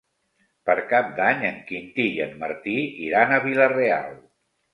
Per Cap d'Any en Quintí i en Martí iran a Vila-real.